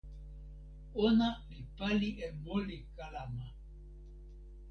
ona li pali e moli kalama.